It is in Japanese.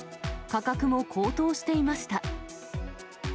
価格も高騰していました。